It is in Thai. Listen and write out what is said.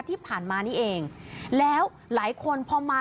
ที่ผ่านมานี่เองแล้วหลายคนพอมา